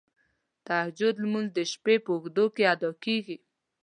تهجد لمونځ د شپې په اوږدو کې ادا کیږی.